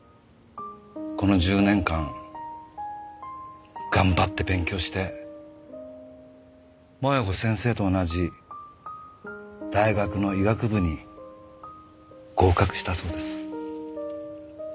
この１０年間頑張って勉強して麻弥子先生と同じ大学の医学部に合格したそうです。